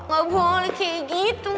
gak boleh kayak gitu